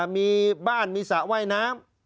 มีบ้านมีสระว่ายน้ำ